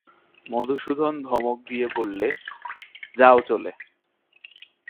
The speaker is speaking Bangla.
মধুসূদন ধমক দিয়ে বললে, যাও চলে।